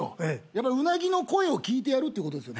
やっぱりうなぎの声を聞いてやることです。